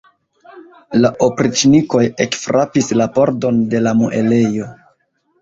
La opriĉnikoj ekfrapis la pordon de la muelejo.